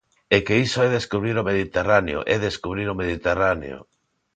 ¡É que iso é descubrir o Mediterráneo é descubrir o Mediterráneo!